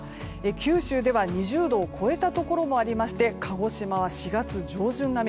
九州では、２０度を超えたところもありまして鹿児島は４月上旬並み。